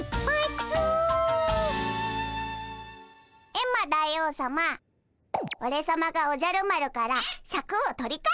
エンマ大王さまオレさまがおじゃる丸からシャクを取り返してやるぞ！